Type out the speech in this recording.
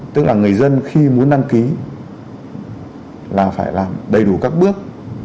tức là người dân khi muốn đăng ký là phải làm đầy đủ các bước